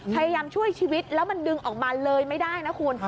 พยายามช่วยชีวิตแล้วมันดึงออกมาเลยไม่ได้นะคุณ